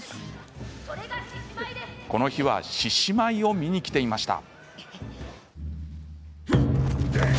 この日は獅子舞を見に来ていました。